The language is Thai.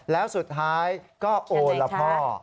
แล้วสุดท้ายก็โอละพ่อ